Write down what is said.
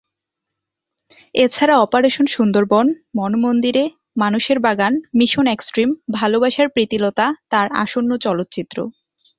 এছাড়া অপারেশন সুন্দরবন, ‘মন মন্দিরে’,মানুষের বাগান, মিশন এক্সট্রিম, ভালবাসার প্রীতিলতা তার আসন্ন চলচ্চিত্র।